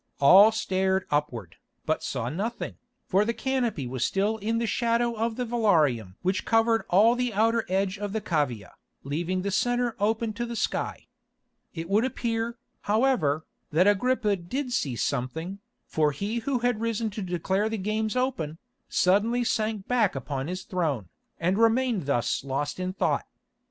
All stared upward, but saw nothing, for the canopy was still in the shadow of the velarium which covered all the outer edge of the cavea, leaving the centre open to the sky. It would appear, however, that Agrippa did see something, for he who had risen to declare the games open, suddenly sank back upon his throne, and remained thus lost in thought.